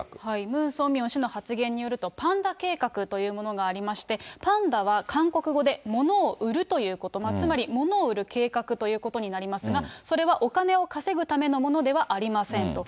ムン・ソンミョン氏の発言によると、パンダ計画というものがありまして、パンダは韓国語で物を売るということ、つまり物を売る計画ということになりますが、それはお金を稼ぐためのものではありませんと。